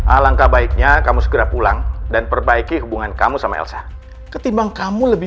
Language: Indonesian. alangkah baiknya kamu segera pulang dan perbaiki hubungan kamu sama elsa ketimbang kamu lebih